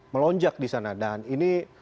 melonjak di sana dan ini